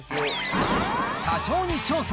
社長に調査！